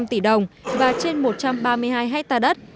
một trăm năm mươi năm tỷ đồng và trên một trăm ba mươi hai hectare đất